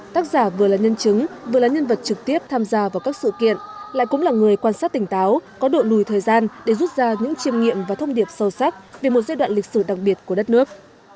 tác giả vừa là nhân chứng vừa là nhân vật trực tiếp tham gia vào các sự kiện lại cũng là người quan sát tỉnh táo có độ lùi thời gian để rút ra những chiêm nghiệm và thông điệp sâu sắc về một giai đoạn lịch sử đặc biệt của đất nước